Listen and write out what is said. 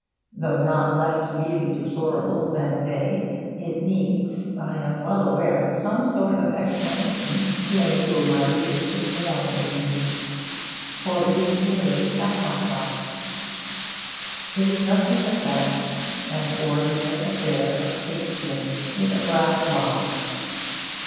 Though not less really deplorable than they, it needs, I am well aware, some sort of explanation to enable my reader to mourn with me. For it is merely a hat box. It is nothing but that an ordinary affair of pig skin, with a brass lock.